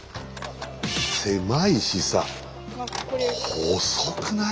狭いしさ細くない？